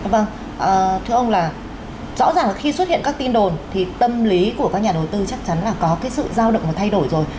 vâng thưa ông là rõ ràng là khi xuất hiện các tin đồn thì tâm lý của các nhà đầu tư chắc chắn là có cái sự giao động và thay đổi rồi